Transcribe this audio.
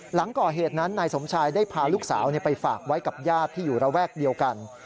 หลังก่อเหตุนั้นนายสมชายได้พาลูกสาวไปฝากไว้กับญาติที่อยู่ระแวกเดียวกัน